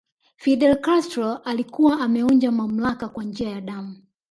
Fidel Castro alikuwa ameonja mamlaka kwa njia ya damu